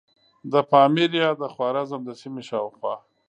د پامیر یا د خوارزم د سیمې شاوخوا.